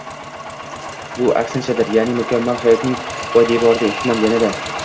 bu aksinchadir: ya’ni, mukammal hayotning poydevorida, ehtimol yanada